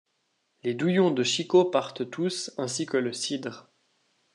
Les douillons de Chicot partent tous, ainsi que le cidre.